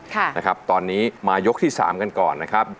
ค่ะนะครับตอนนี้มายกที่สามกันก่อนนะครับ